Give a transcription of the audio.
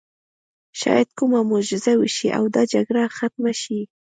شاید کومه معجزه وشي او دا جګړه ختمه شي